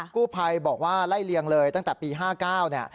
กู้ภัยบอกว่าไล่เลียงเลยตั้งแต่ปี๕๙เนี่ย